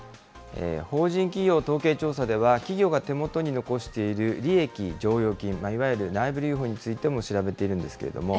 法人企業統計調査では、企業が手元に残している利益剰余金、いわゆる内部留保についても調べているんですけれども。